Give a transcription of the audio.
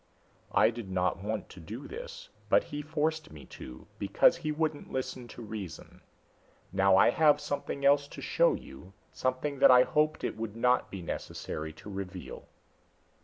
"I did not want to do this, but he forced me to, because he wouldn't listen to reason. Now I have something else to show you, something that I hoped it would not be necessary to reveal."